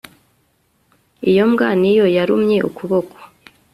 Iyo mbwa niyo yarumye ukuboko